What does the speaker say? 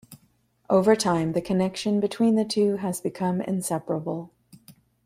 Over time, the connection between the two has become inseparable.